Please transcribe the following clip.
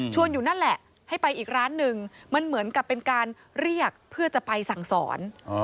อยู่นั่นแหละให้ไปอีกร้านหนึ่งมันเหมือนกับเป็นการเรียกเพื่อจะไปสั่งสอน